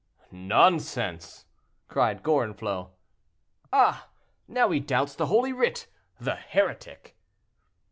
'" "Nonsense!" cried Gorenflot. "Ah! now he doubts the Holy Writ; the heretic!"